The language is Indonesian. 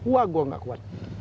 wah gua gak kuat